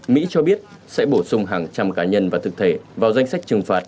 mỹ cho biết sẽ bổ sung hàng trăm cá nhân và thực thể vào danh sách trừng phạt